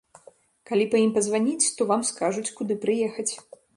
Калі па ім пазваніць, то вам скажуць, куды прыехаць.